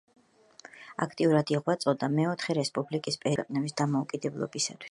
აქტიურად იღვწოდა მეოთხე რესპუბლიკის პერიოდში ინდოჩინეთის ქვეყნების დამოუკიდებლობისათვის.